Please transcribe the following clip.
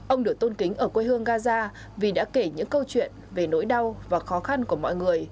ông được tôn kính ở quê hương gaza vì đã kể những câu chuyện về nỗi đau và khó khăn của mọi người